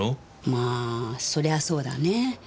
まあそりゃそうだね。